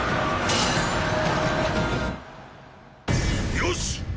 よし！！